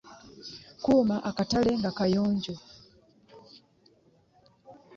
Kuuma akatale nga kayonjo.